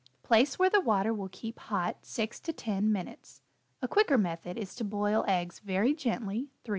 Place where the water will keep hot 6 to 10 minutes. A quicker method is to boil eggs very gently 3 or 4 minutes.